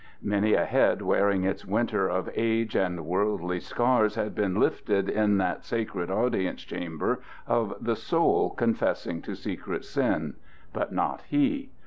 Many a head wearing its winter of age and worldly scars had been lifted in that sacred audience chamber of the soul confessing to secret sin. But not he.